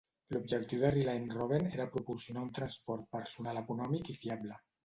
L'objectiu de Reliant Robin era proporcionar un transport personal econòmic i fiable.